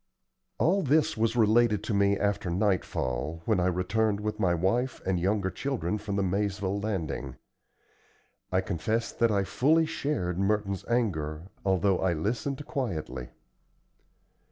All this was related to me after nightfall, when I returned with my wife and younger children from the Maizeville Landing. I confess that I fully shared Merton's anger, although I listened quietly.